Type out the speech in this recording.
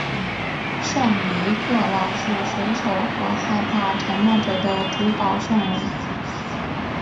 圣尼各老是水手和害怕沉没者的主保圣人。